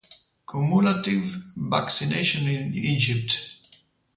Cumulative vaccinations in Egypt